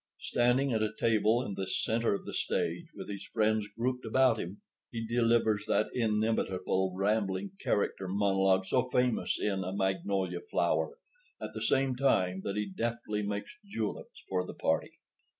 Standing at a table in the center of the stage, with his friends grouped about him, he delivers that inimitable, rambling character monologue so famous in A Magnolia Flower, at the same time that he deftly makes juleps for the party.